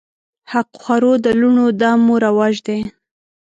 حق خورو د لوڼو دا مو رواج دی